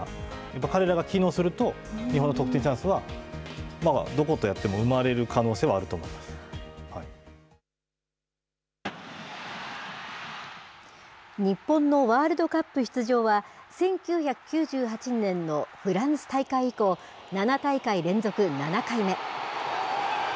やっぱ彼らが機能すると、日本の得点チャンスはどことやっても生まれる可能性はあると思い日本のワールドカップ出場は、１９９８年のフランス大会以降、７大会連続７回目。